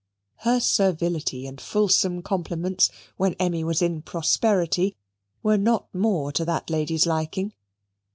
Her servility and fulsome compliments when Emmy was in prosperity were not more to that lady's liking.